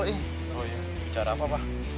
bicara apa pak